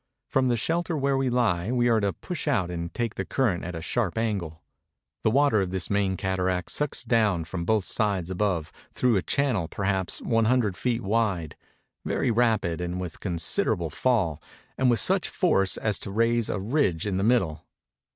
From the shelter where we He we are to push out and take the current at a sharp angle. The water of this main cataract sucks down from both sides above through a channel perhaps one hundred feet wide, very rapid and with considerable fall, and with such force as to raise a ridge in the middle.